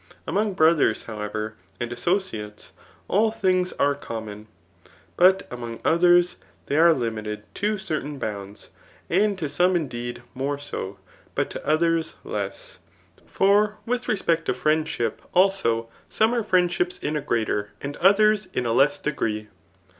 Among, brothers, however, and associates, all things are com mon; but among others they are limited to certain bounds ; and to some indeed more so, but to others less ; £3r with respect to friendship, also, some are friendships in a greater and others in a less degree.